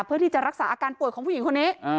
เพื่อที่จะรักษาอาการป่วยของผู้หญิงคนนี้